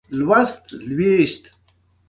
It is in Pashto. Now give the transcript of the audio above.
نوی پاچا د خپل قدرت استحکام لګیا وو.